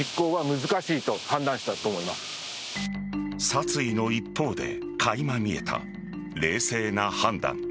殺意の一方でかいま見えた冷静な判断。